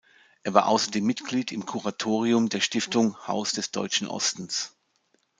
Er war außerdem Mitglied im Kuratorium der Stiftung Haus des Deutschen Ostens.